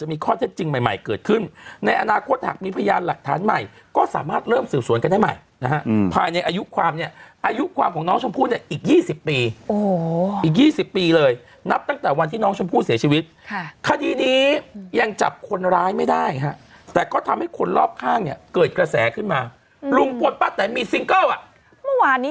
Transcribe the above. อีกทีมหนึ่งไม่ผมมาไม่ใช่ที่อุ๊ยพออะไรรู้ปะหันมาเห็นหน้านี้